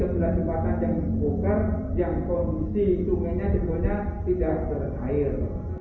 kedua dua tempatan yang dibuka yang kondisi sungainya tidak berair